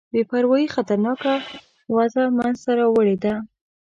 بې پروايي خطرناکه وضع منځته راوړې ده.